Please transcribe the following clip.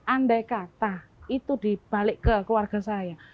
andai kata itu dibalik ke keluarga saya